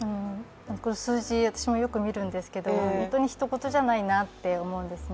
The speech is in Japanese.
この数字、私もよく見るんですけど本当にひと事じゃないなと思うんですね。